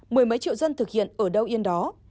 mười mấy triệu dân thực hiện ở đâu yên đó